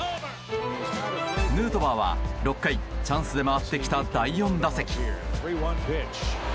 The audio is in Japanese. ヌートバーは６回チャンスで回ってきた第４打席。